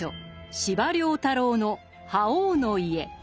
司馬太郎の「覇王の家」。